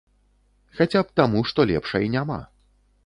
Хаця б таму, што лепшай няма.